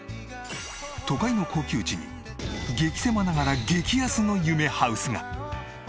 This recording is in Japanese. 都会の高級地に激せまながら激安の夢ハウスが！